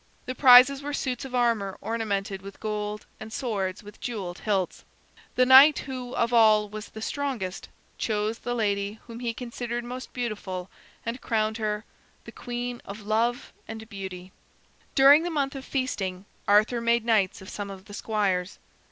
The prizes were suits of armor ornamented with gold, and swords with jeweled hilts. The knight who, of all, was the strongest, chose the lady whom he considered most beautiful, and crowned her "The Queen of Love and Beauty." During the month of feasting, Arthur made knights of some of the squires.